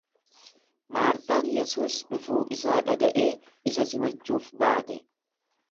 Maartaan Yesuus dhufuu isaa dhaga'ee isa simachuuf baate.